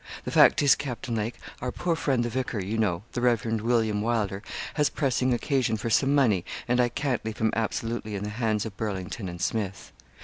The fact is, Captain Lake, our poor friend the vicar, you know, the Rev. William Wylder, has pressing occasion for some money, and I can't leave him absolutely in the hands of Burlington and Smith.'